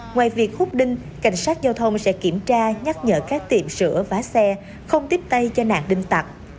ngoài việc hút đinh cảnh sát giao thông sẽ kiểm tra nhắc nhở các tiệm sửa vá xe không tiếp tay cho nạn đinh tặc